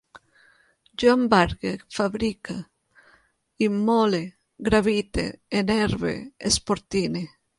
Jo embargue, fabrique, immole, gravite, enerve, esportine